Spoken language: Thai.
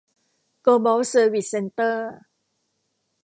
โกลบอล เซอร์วิส เซ็นเตอร์